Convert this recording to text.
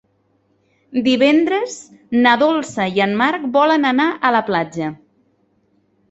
Divendres na Dolça i en Marc volen anar a la platja.